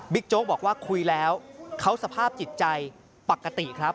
บิ๊กโจ๊กบอกว่าคุยแล้วเขาสภาพจิตใจปกติ